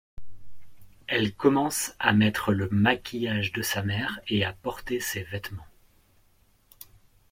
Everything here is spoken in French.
Elle commence à mettre le maquillage de sa mère et à porter ses vêtements.